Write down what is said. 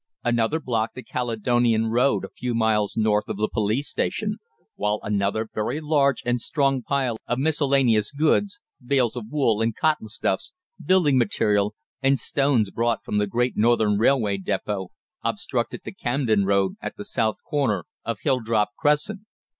Another blocked the Caledonian Road a few yards north of the police station, while another very large and strong pile of miscellaneous goods, bales of wool and cotton stuffs, building material, and stones brought from the Great Northern Railway depôt, obstructed the Camden Road at the south corner of Hilldrop Crescent.